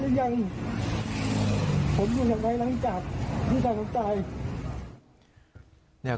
ผมอยู่ทางไหนแล้วจากลูกต่างตาย